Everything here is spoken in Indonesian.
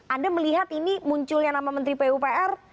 anda melihat ini munculnya nama menteri pupr